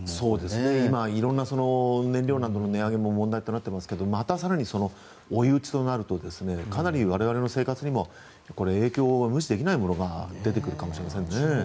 今、いろんな燃料などの値上げも問題となっていますがまた更に追い打ちとなるとかなり我々の生活にも無視できない影響が出てくるかもしれませんね。